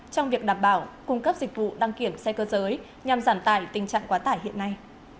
trong việc đảm bảo cung cấp dịch vụ đăng kiểm xe cơ giới nhằm giảm tải tình trạng quá tải hiện nay